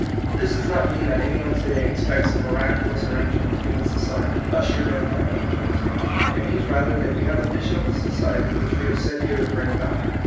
This does not mean that any one to day expects a miraculous ar rangement of human society, ushered in by angels. It means rather that we have the vision of a society which we are set here to bring about.